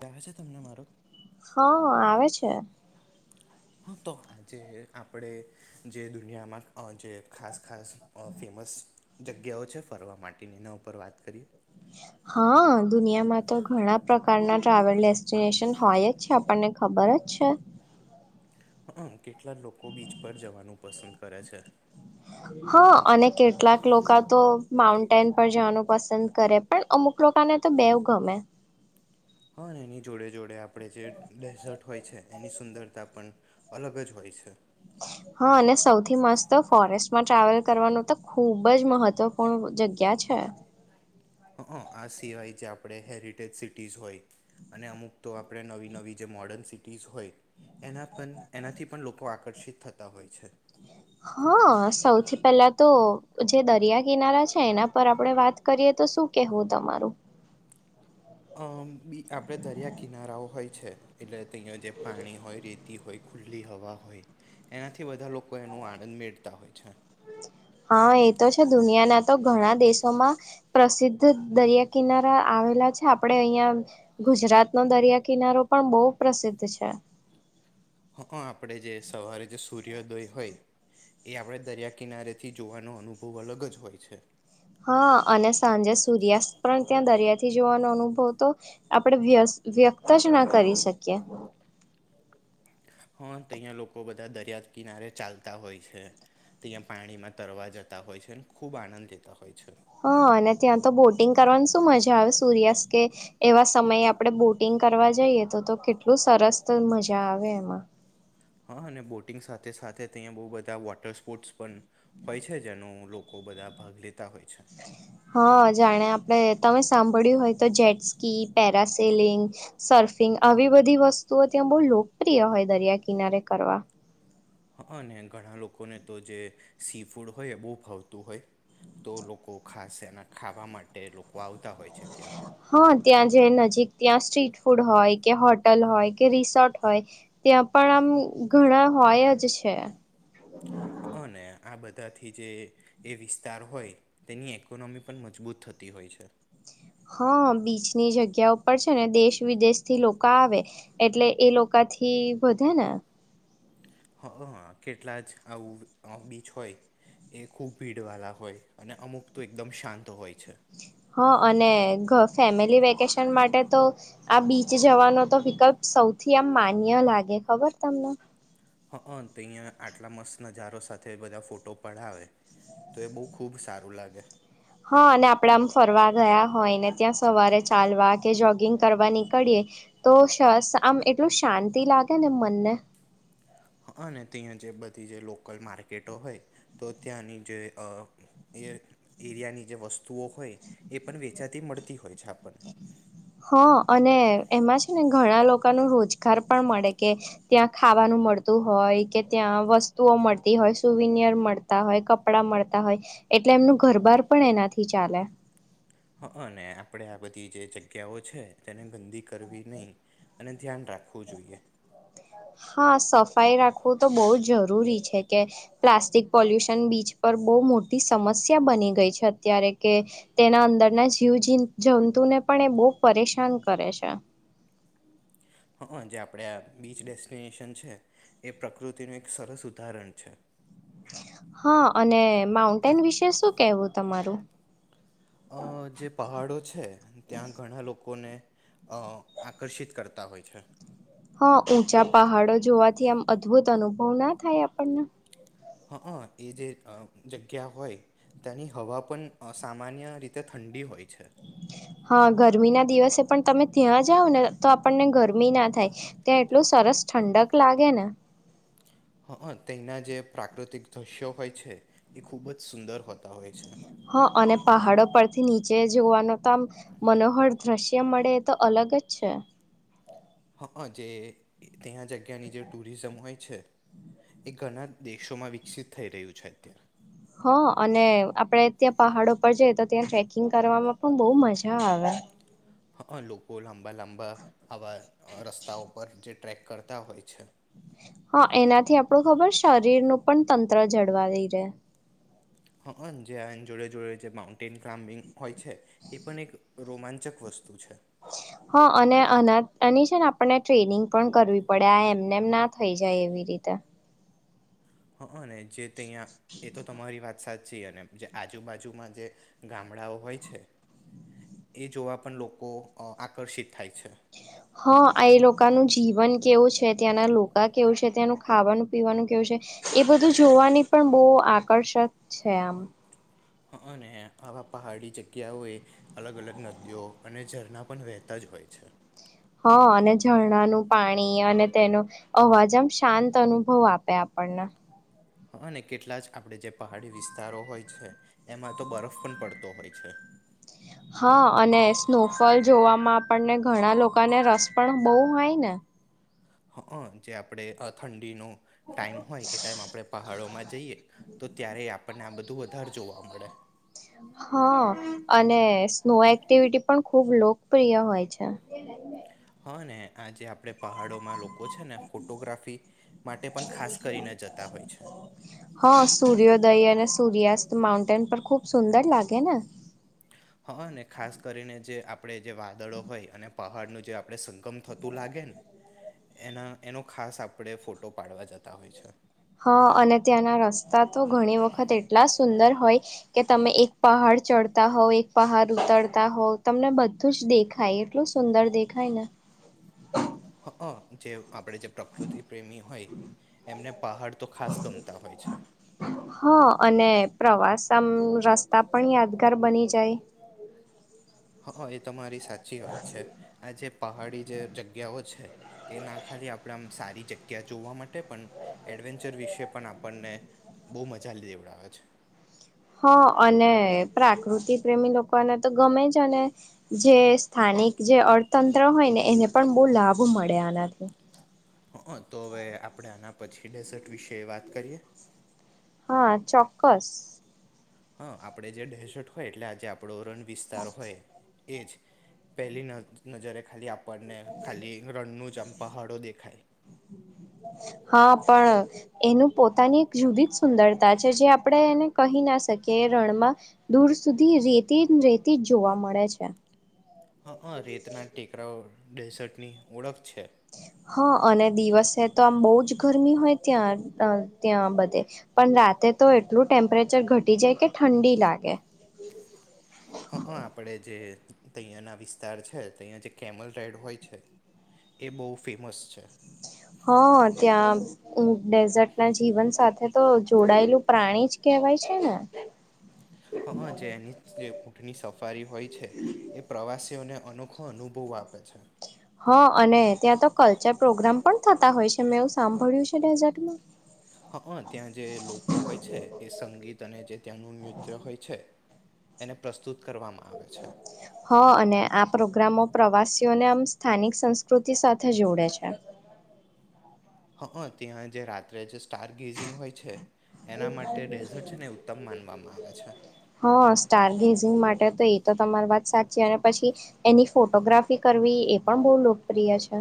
દા છે તમને મારો? તે આ હા તો આજે આપણે જે દુનિયામાં અહ જે ખાસ ખાસ અહ ફેમસ જગ્યાઓ છે ફરવા માટેની એના ઉપર વાત કરીએ હા દુનિયામાં તો ઘણા પ્રકારના ટ્રાવેલ ડેસ્ટિનેશન હોય જ છે આપણને ખબર જ છે હમ કેટલા લોકો બીચ પર જવાનું પસંદ કરે છે હા અને કેટલાક લોકો તો માઉન્ટેન પર જવાનું પસંદ કરે પણ અમુક લોકોકાને તો બેવ ગમે હા એની જોડે જોડે આપણે જે ડેઝર્ટ હોય છે એની સુંદરતા પણ અલગ જ હોય છે હા અને સૌથી મસ્ત તો ફોરેસ્ટમાં ટ્રાવેલ કરવાનું તો ખૂબ જ મહત્વપૂર્ણ જગ્યા છે હ આ સિવાય જે આપણે હેરિટેજ સિટીઝ હોય અને અમુક તો આપણે નવી નવી જે મોર્ડર્ન સિટીઝ હોય એના પણ એનાથી પણ લોકો આે આકર્ષિત થતા હોય છે હા સૌથી પહેલા તો જે દરિયા કિનારા છે એના પર આપડણે વાત કરીએ તો શું કેવું તમારું અમ બી આપણે દરિયા કિનારાઓ હોય છે એટલે અહીંયા જે પાણી હોય રેતી હોય ખુલ્લી હવા હોય એનાથી બધા લોકો એનો આનંદ મેળતા હોય છે હા એ તો છે દુનિયાના તો ઘણા દેશોમાં પ્રસિદ્ધ દરિયા કિનારા આવેલા છે આપડે અહિયાં ગુજરાતનો દરિયા કિનારો પણ બહુ પ્રસિદ્ધ છે હ આપે જે સવારે જે સૂર્યોદય હોય એ આપણે દરિયા કિનારેથી જોવાનો અનુભવ અલગ જ હોય છે હા અને સાંજે સૂર્યાસ્ત પણ ત્યાં દરિયાથી જોવાનો અનુભવ તો આપણે વ વ્યક્ત જ ના કરી શકીએ હા તહં લોકો બધા દરિયા કિનારે ચાલતા હોય છે ત્યાં પાણીમાં તરવા જતા હોય છે ખૂબ આનંદ લેતા હોય છે હા અને ત્યાં તો બોટિંગ કરવાની શું મજા આવે સૂર્યાસ્ત કે એવા સમયે આપણે બોટિંગ કરવા જઈએ તો તો કેટલું સરસ મજા આવે એમાં હા અને બોટિંગ સાથે સાથે અહીંયા બહુ બધા વોટર સ્પોર્ટ્સ પણ હોય છે જેનું લોકો બધા ભાગ લેધ હા જાણે આપડે તમે સાંભળ્યું હોય તો જેટ્ ક પેરાસેલિંગ સર્ફિંગ આવી બધી વસ્તુઓ ત્યાં બહુ લોકપ્રિય હોય દરિયા કિનારે કરવા હા અને ઘણા લોકોને તો જે સી ફૂડ હોય એ બહુ ફાવતું હોય તો લોકો ખાસ એના ખાવા માટે લોકો આવતા હોય છે ત્યાં હા ત્યાં જે નજીક ત્યાં સ્ટ્રીટ ફૂડ હોય કે હોટલ હોય કે રિસોર્ટ હોય ત્યાં પણ આમ ઘણા હોય જ છે અને આ બધાથી જે એ વિસ્તાર હોય તેની કોનોમી પણ મજબૂત થતી હોય છે હા બીચની જગ્યા ઉપર છે ને દેશ વિદેશ થી લોકો આવે એટલે એ લોકો થી વધે ને હ કેટલા જ આવું બીચ હોય એ ખૂબ ભીડ વાળ હોય અને અમુક તો એકદમ શાંત હોય છે હા અને ફેમિલી વેકેશન માટે તો આ બીચ જવાનો તો વિકલ્પ સૌથી આમ માન્ય લાગે ખબર તમને હ તો અહીંયા આટલા મસ્ત નજારો સાથે બધા ફોટો પડાવે તો એ બહુ ખૂબ સારું લાગે હા અને આપડા આમ ફરવા ગયા હોય ને ત્યાં સવારે ચાલવા કે જોગિંગ કરવા નીકળીએ તો સરસ આમ એટલું શાંતિ લાગે ને મનને હ અને ત્યાં જે બધી જે લોકલ માર્કેટો હોય તો ત્યાંની જે એ એરિયાની જે વસ્તુઓ હોય એ પણ વેચાતી મળતી હોય છે આપણને હા અને એમાં છે ને ઘણા લોકો ન રોજગાર પણ મળે કે ત્યાં ખાવાનું મળતું હોય કે ત્યાં વસ્તુઓ મળતી હોય સુવિનિયર મળતા હોય કપડા મળતા હોય એટલે એમનું ઘરબાર પણ એનાથી ચાલે હ અને આપણેે આ બધી જે જગ્યાઓ છે તેને ગંદી કરવી નહીિ અને ધ્યાન રાખવું જોઈએ હા સફાઈ રાખવું તો બહ જ જરૂરી છે કે પ્લાસ્ટિક પોલ્યુશન બીચ પર બહુ મોટી સમસ્યા બની ગઈ છે અત્યારે કે તેના અંદરના જીવ જ જંતુને પણ એ બહુ પરેશાન કરે છે હ જે આપણે આ બીચ ડેસ્ટિનેશન છે એ પ્રકૃતિનું એક સરસ ઉદાહરણ છે હા અને માઉન્ટેન વિશે શું કેવું તમારું અ જે પહાડો છે ત્યાં ઘણા લોકોને અ આકર્ષિત કરતા હોય છે હા ઊંચા પહાડો જોવાથી આમ અદ્ભુત અનુભવ ના થાય આપણને હ એ જે જગ્યા હોય ત્યાંની હવા પણ સામાન્ય રીતે ઠંડી હોય અ્ છે હા ગરમી ના દિવસે પણ તમે ત્યાં જાઓ ને તો આપણને ગરમી ના થાય ત્યાં એટલું સરસ ઠંડક લાગે ને હ હ તેના જે પ્રાકૃતિક દ્રશ્યો હોય છે એ ખૂબ જ સુંદર હોય છે હ અને પહાડો પરથી નીચે જોવાનું તો આમ મનોહર દ્રશ્ય મળે એ તો અલગ જ છે હા જે ત્યાં જગ્યાની જે ટુરિઝમ હોય છે એ ઘણા દેશોમાં વિકસિત થઈ રહ્યું છે અત હ અને આપડે ત્યાં પહાડ પર જઈ તો ત્યાં ટ્રેકિંગ કરવામાં પણ બહુ મજા આવે હા હા લોકો લા લાંબા આવા રસ્તા ઉપર જે ટ્રેક કરતા હોય છે હા એનાથી આપણું ખબર શરીરનું પણ તંત્ર જળવાય રહે હા હા જે આ જોડે જોડે જે માઉન્ટેન ક્લાઇમ્બિંગ હોય છે એ પણ એક રોમાંચક વસ્તુ છે હા અને અના એની છે આપણને ટ્રેનિંગ પણ કરવી પડે આ એમને એમ ના થઈ જાય એવી રીતે હ ને જે ત અહીંયા એ તો તમારી વાત વરસાદ છે અને જે આજુબાજુમાં જે ગામડાઓ હોય છે એ જોવા પણ લોકો આકર્ષિત થાય છે હા એ લોકોનું જીવન કેવું છે ત્યાંના લોકો કેવું છે ત્યાંનું ખાવાનું પીવાનું કેવું છે એ બધું જોવાની પણ બહુ આકર્ષક છે આમ અને આવા પહાડી જગ્યાઓએ અલગ અલગ નદીઓ અને ઝરણા પણ વહેતા જ હોય છે હા અને ઝરણાનું પાણી અને તેનો અવાજ આમ શાંત અનુભવ આપે આપણને અને કેટલા જ આપણે જે પહાડી વિસ્તારો હોય છે એમાં તો બરફ પણ પડતો હોય છે. હા, અને સ્નોફોલ જોવામાં આપણને ઘણા લોકોને રસ પણ બહુ હોય ને. હ, જે આપણે ઠંડીનું ટાઈમ હોય એ, ટાઈમ આપણે પહાડોમાં જઈએ. તો ત્યારે આપણને આ બધું વધારે જોવા મળે. હા, અને સ્નો એક્ટિવિટી પણ ખુબ લોકપ્રિય હોય છે. અને આજે આપણે પહાડોમાં લોકો છેને, ફોટોગ્રાફી માટે પણ ખાસ કરીને જતા હોય છે. હા ખૂબ સુંદર લાગે ને. હા, ને ખાસ કરીને જે આપ આપણે જે વાદળો હોય અને પહાડનું જે આપડે સંગમ થતું લાગે ને, એના એનો ખાસ આપણે ફોટો પાડવા જતા હોય છે. હા, અને ત્યાંના રસ્તા તો ઘણી વખત એટલા સુંદર હોય કે તમે એક પહાડ ચડતા હોવ, એક પહાડ ઉતરતા હોવ, તમને બધું જ દેખાય એટલું સુંદર દેખાય ને. હ, હ, જેમ. આપણે જે પ્રકૃતિ પ્રેમી હોય, એમને પહાડ તો ખાસ ગમતા હોય છે. હા અને પ્રવાસ આમ રસ્તા પણ યાદગાર બની જાય. હા હા, એ તમારી સાચી વાત છે. આજે પહાડી જે જગ્યાઓ છે, એ ના ખાલી આપણે આમ સારી જગ્યા જોવા માટે પણ એડવેન્ચર વિશે પણ આપણને બહુ મજા દેવડાવે છે. હા, અને પ્રાકૃતિ પ્રેમી લોકોને તો ગમે જ, અને જે સ્થાનિક જે અર્થતંત્ર હોય ને એને પણ બહુ લાભ મળે એનાથી. હ, તો હવે આપણે આના પછી ડેઝર્ટ વિશે વાત કરીએ. હા, ચોક્કસ. હા, આપડે જે ડેસર્ટ હોય એટલે આજે આપડો રણ. વિસ્તાર હોય. એ જ પહેલી નજરે ખાલી આપ આપણને ખાલી રણનું જ પહાડો દેખાય. હા, પણ એનું પોતાની એક જુદી જ સુંદરતા છે, જે આપણે એને કહી ના શકીએ. એ રણમાં દૂર સુધી રેતી જ રેતી જ જોવા મળે છે. હા, હ, રેતનાથ ટેકરાઓ ડેસર્ટ ની ઓળખ છે. હા, અને દિવસે તો આમ બહુ જ ગરમી હોય ત્યાં. અ ત્યાં બધે પણ રાતે તો એટલું ટેમ્પરેચર ઘટી જાય કે ઠંડી લાગે. હા, હ, આપણે જે અહીંયાના વિસ્તાર છે, તહીંયા જે કેમલ રાઈડ હોય છે એ બહુ ફેમસ છે. હા, ત્યાં ડેઝર્ટ ના જીવન સાથે તો જોડાયેલું પ્રાણી જ કહેવાય છે ને. હ જે એની જે ઊંટની સફારી હોય છે એ પ્રવાસીઓને અનોખો અનુભવ આપે છે. હ, અને ત્યાં તો કલ્ચર પ્રોગ્રામ પણ થતા હોય છે, મેં એવું સાંભળ્યું છે ડેઝર્ટમાં? હ હ, ત્યાં જે લોકો હોય છે, એ સંગીત અને જે તેમનું નૃત્ય હોય છે. એને પ્રસ્તુત કરવામાં આવે છે હ, અને આ પ્રોગ્રામો પ્રવાસી તેઓને આમ સ્થાનિક સંસ્કૃતિ સાથે જોડે છે. હ હ, ત્યાં જે રાત્રે છે સ્ટાર ગેઝિંગ હોય [unintelligible] એના માટે ડેઝર્ટ છે ને ઉત્તમ માનવામાં આવે છે હા સ્ટાર ગેઝિંગ માટે તો એ તો તમારી વાત સાચી, અને પછી એની ફોટોગ્રાફી કરવી એ પણ બહુ લોકપ્રિય છે.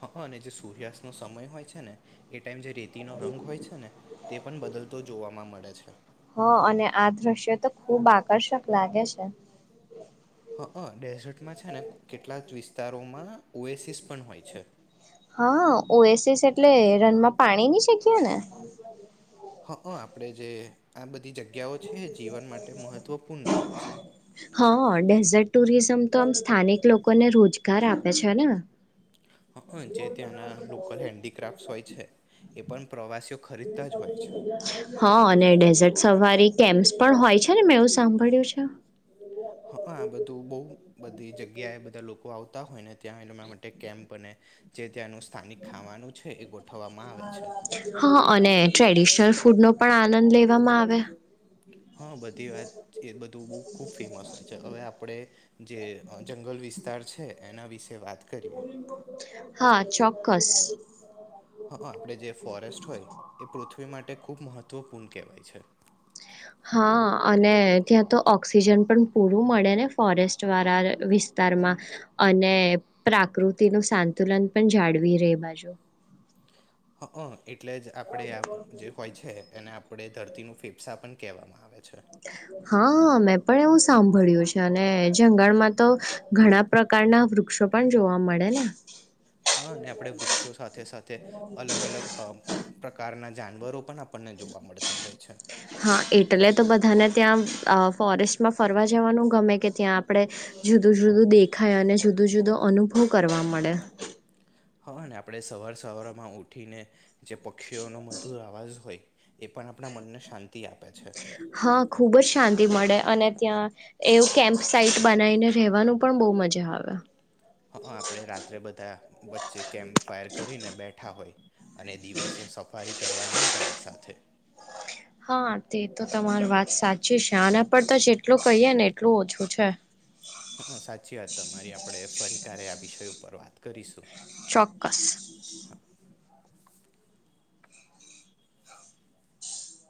હ હ અને જે સૂર્યાસ્ત નો સમય હોય છે ને એ ટાઈમ જે રી એ નો રંગ હોય છે ને તે પણ બદલતો જોવામાં મળે છે. હ અને આ દ્રશ્ય તો ખૂબ આકર્ષક લાગે છે. અ ડેઝર્ટમાં છે ને, કેટલાક વિસ્તારોમાં ઓએસીસ પણ હોય છે. હા ઓએસએસ એટલે રનમાં પાણી નહી સંખ્યા ને? હ હ આપણે જે આ બધી જગ ગ્યાઓ છે. જીવન માટે મહત્ત્વપૂર્ણ હોય છે. હા ડેઝર્ટ ટુરિઝમ તો આમ સ્થાનિક લોકોને રોજગાર આપે છે ને. હ અ જે ત્યાંના લોકલ હેન્ડીક્રાફ્ટ હોય છે એ પણ પ્રવાસ હા અને ડેઝર્ટ સફારી કેમ પણ હોય છે ને મેં એવું સાંભળ્યું છે? હ અ બધું બહ બધી જગ્યા એ બધા લોકો આવતા હોય ને ત્યાં એરા માટે કેમ્પ અને જે ત્યાંનું સ્થાનિક ખાવાનું છે એ ગો હા અને ટ્રેડિશનલ ફૂડ નો પણ આનંદ લે વામાં આવે હા બધી વાત એ બધું બ ખુબ ફેમસ હોય છે હવે આપણે જે જંગલ વિસ્તાર છે. એના વિશે વાત કરીએ [unintelligible] હા ચોક્કસ. હઅ આપણે જે ફોરેસ્ટ હોય એ પૃ પૃથ્વી માટે ખૂબ મહત્વપૂર્ણ કહેવાય છે. હા અને ત્યાં તો ઓક્સિજન પણ પૂરું મળે ને ફોરેસ્ટ વારા વિસ્તારમાં અને પ્રાકૃતિનું સાંતુલન પણ જાળવી રે એ બાજુ હઅ એટલે જ આપણે આ જે હોય છે એને આપ આપણે ધરતીનું ફેફસાં પન કહેવામાં આવે છે. હા મેં પણ એવું સાંભળ્યું છે અને જંગલમાં તો ઘણા પ્રકારના વૃક્ષો પણ જોવા મળે ને હહ ને આપણે વૃક્ષો સાથે સાથે અલગ અલગ અ પ્રકારના જાનવરો પણ આપ હા એટલે તો બધાને ત્યાં અ ફોરેસ્ટમાં ફરવા જવાનું ગમે કે ત્યાં આપણે જુદું જુદું દેખાય અને જુદું જુદો અનુભવ કરવા મળે. હઅ ને આપણે સવાર સવારમાં ઉઠીને જે પક્ષીઓનો મધુર અવાજ હોય એ પણ આપણા મનને શાંતિ આપે છે. હહ ખુબ જ શાંતિ મળે અને ત્યાં એવું કેમ્પ સાઇટ બનાવીને રહેવાનું પણ બહુ મજા આવે. હઅ આપણેે રાત્રે બધા વચ્ચે કેમ્પ ફાયર કરીને બેઠા હોય અને દિવસે સફારી કરવા જાય ગાઈડ સાથે હા તે તો તમારી વાત સાચી છે. આના પર તો જેટલું કહીએ ને એટલું ઓછું છે. ત્યારે આ વિષય ઉપર વાત કરીશું. ચોક્કસ